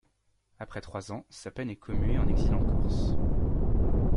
Après trois ans, sa peine est commuée en exil en Corse.